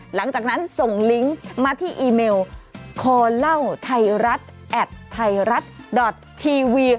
หลังจากนั้นส่งลิงก์มาที่อีเมลคอเล่าไทยรัฐแอดไทยรัฐดอตทีวี